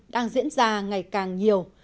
đang diễn ra ngày càng nhiều